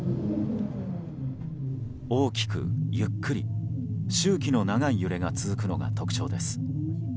大きくゆっくり周期の長い揺れが続くのが特徴です。